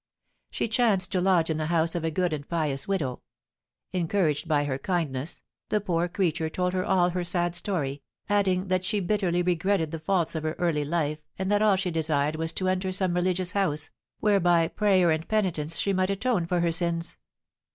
She chanced to lodge in the house of a good and pious widow; encouraged by her kindness, the poor creature told her all her sad story, adding that she bitterly regretted the faults of her early life, and that all she desired was to enter some religious house, where by prayer and penitence she might atone for her sins.